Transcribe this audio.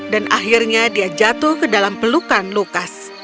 dan akhirnya dia jatuh ke dalam pelukan lukas